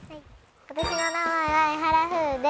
私の名前は江原ふうです。